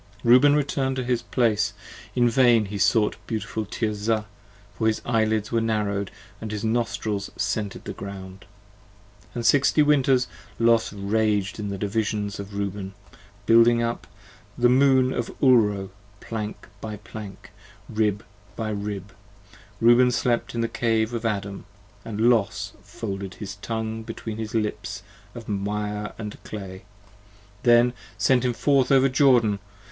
p. 36 REUBEN return'd to his place, in vain he sought beautiful Tirzah, For his Eyelids were narrow'd, & his Nostrils scented the ground. And Sixty Winters Los raged in the Divisions of Reuben, Building the Moon of Ulro, plank by plank & rib by rib. 5 Reuben slept in the Cave of Adam, and Los folded his Tongue Between Lips of mire & clay, then sent him forth over Jordan.